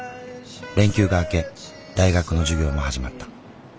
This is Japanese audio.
連休が明け大学の授業も始まった。